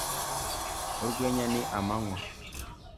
urwenya ni amanywa